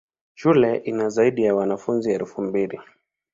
Shule ina zaidi ya wanafunzi elfu mbili.